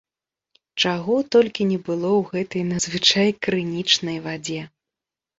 Чаго толькі не было ў гэтай надзвычай крынічнай вадзе.